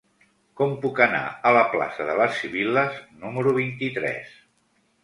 Com puc anar a la plaça de les Sibil·les número vint-i-tres?